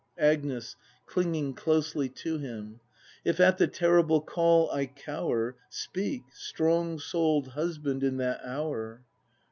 Agnes. [Clinging closely to him.] If at the terrible call I cower. Speak, strong soul'd husband, in that hour!